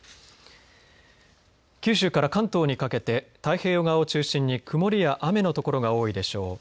九州から関東にかけて太平洋側を中心に曇りや雨の所が多いでしょう。